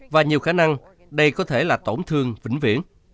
và nhiều khả năng đây có thể là tổn thương vĩnh viễn